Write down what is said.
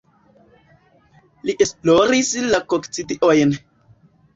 Li esploris la kokcidiojn.